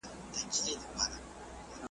د وطن د شرف سپر يم نه وېرېږم